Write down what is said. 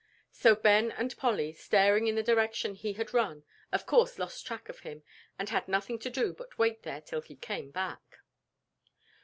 So Ben and Polly, staring in the direction he had run, of course lost track of him and had nothing to do but to wait there till he came back.